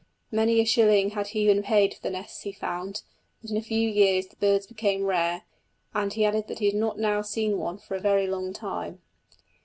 Many a shilling had he been paid for the nests he found, but in a few years the birds became rare; and he added that he had not now seen one for a very long time.